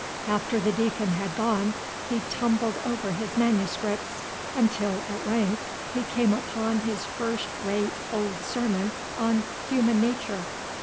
After the deacon had gone, he tumbled over his manuscripts, until at length he came upon his first rate old sermon on "Human Nature."